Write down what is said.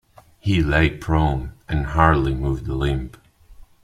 He lay prone and hardly moved a limb.